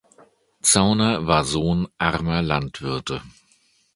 Zauner war Sohn armer Landwirte.